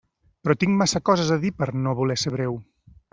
Però tinc massa coses a dir per a no voler ser breu.